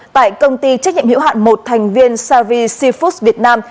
tại công ty trách nhiệm hiệu hạn một thành viên savi sifus việt nam